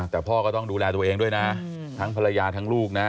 แต่พ่อก็ต้องดูแลตัวเองด้วยนะทั้งภรรยาทั้งลูกนะ